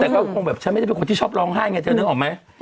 แต่ก็คงแบบฉันไม่ได้เป็นคนที่ชอบร้องไห้ไงเธอนึกออกไหม